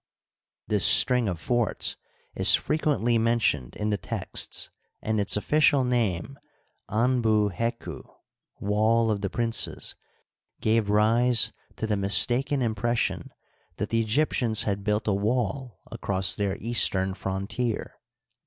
This string of forts is frequently mentioned in the texts and its official name anbu hegu, " Wall of the princes," eave rise to the mistaken impression that the Egyptians had built a wall across their eastern frontier.